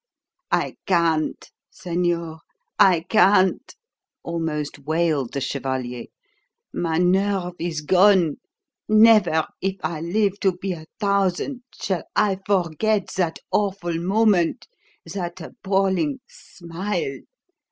"I can't, señor, I can't!" almost wailed the chevalier. "My nerve is gone. Never, if I live to be a thousand, shall I forget that awful moment, that appalling 'smile.'